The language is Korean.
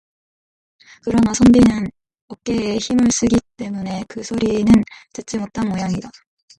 그러나 선비는 어깨에 힘을 쓰기 때문에 그 소리는 듣지 못한 모양이다.